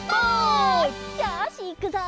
よしいくぞ！